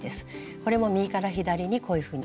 これも右から左にこういうふうに。